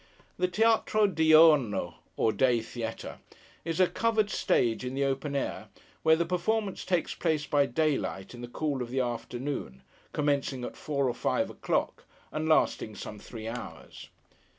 The TEATRO DIURNO, or Day Theatre, is a covered stage in the open air, where the performances take place by daylight, in the cool of the afternoon; commencing at four or five o'clock, and lasting, some three hours.